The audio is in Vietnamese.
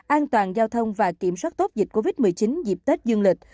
an toàn giao thông và kiểm soát tốt dịch covid một mươi chín dịp tết dương lịch